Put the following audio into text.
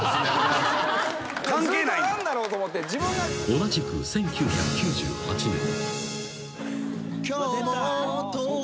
［同じく１９９８年］